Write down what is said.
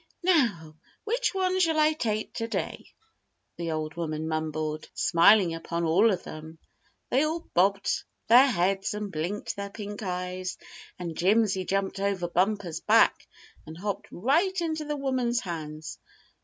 "Now, which ones shall I take to day?" the old woman mumbled, smiling upon all of them. They all bobbed their heads and blinked their pink eyes, and Jimsy jumped over Bumper's back and hopped right into the woman's hands.